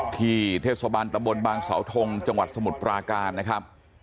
ที่เทศบาลตะบลบางสาวทงจังหวัดสมุดปราการนะครับ